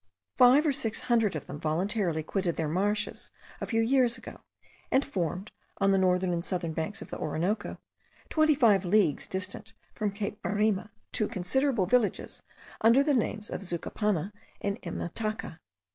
Five or six hundred of them voluntarily quitted their marshes, a few years ago, and formed, on the northern and southern banks of the Orinoco, twenty five leagues distant from Cape Barima, two considerable villages, under the names of Zacupana and Imataca.